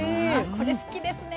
これ好きですね。